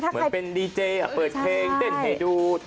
เหมือนเป็นดีเจเปิดเพลงเต้นให้ดู